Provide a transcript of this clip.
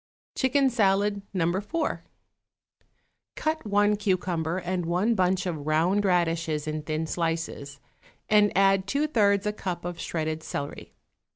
=Chicken Salad, No. 4.= Cut one cucumber and one bunch of round radishes in thin slices, and add two thirds a cup of shredded celery.